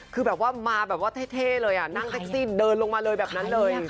คือแบบว่ามาแบบว่าเท่เลยนั่งแท็กซี่เดินลงมาเลยแบบนั้นเลย